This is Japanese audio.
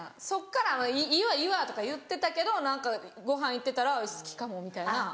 そっから「いいわいいわ」とか言ってたけど何かごはん行ってたら「好きかも」みたいな。